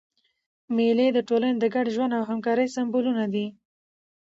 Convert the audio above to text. مېلې د ټولني د ګډ ژوند او همکارۍ سېمبولونه دي.